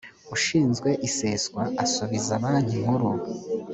ushinzwe iseswa asubiza banki nkuru